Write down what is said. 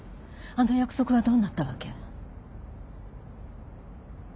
あの約束はどうなったわけ？